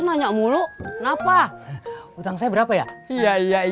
tuh membayang tadi